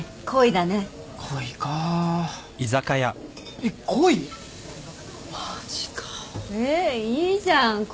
えいいじゃん恋。